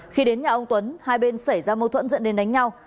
khi đến nhà ông tuấn hai bên xảy ra mâu thuẫn dẫn đến đánh nhau